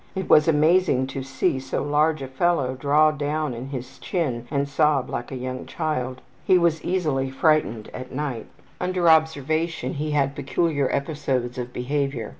It was amazing to see so large a fellow draw down his chin and sob like a young child. He was easily frightened at night. Under observation he had peculiar episodes of behavior.